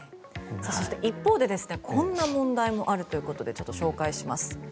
そして、一方でこんな問題もあるということでちょっと紹介します。